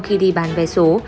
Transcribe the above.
khi đi bàn vé số